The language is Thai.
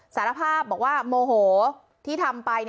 สารภาพบอกว่าโมโหที่ทำไป